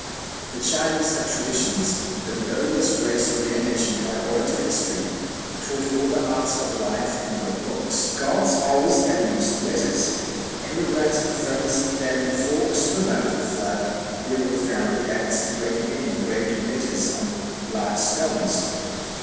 The Chinese have traditions that the earliest race of their nation, prior to history, "taught all the arts of life and wrote books." "The Goths always had the use of letters;" and Le Grand affirms that before or soon after the Flood "there were found the acts of great men engraved in letters on large stones."